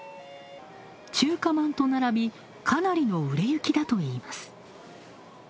中華まんと並び、かなりの売れ行きだといいます。